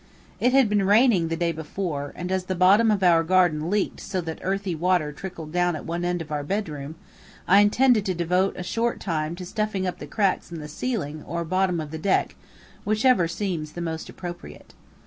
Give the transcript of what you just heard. It had been raining the day before, and as the bottom of our garden leaked so that earthy water trickled down at one end of our bed room, I intended to devote a short time to stuffing up the cracks in the ceiling or bottom of the deck whichever seems the most appropriate.